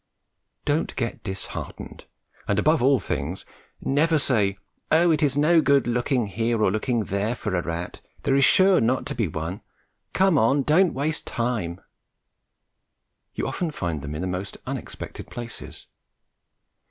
Don't get disheartened, and above all things never say, "Oh, it is no good looking here or looking there for a rat; there is sure not to be one. Come on and don't waste time." You often find them in the most unexpected places.